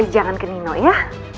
jangan ke nino ya